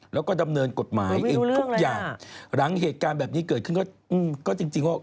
แล้วก็ดำเนินกฎหมายเองทุกอย่างหลังเหตุการณ์แบบนี้เกิดขึ้นก็จริงว่า